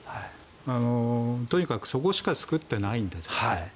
とにかくそこしか作っていないんですね。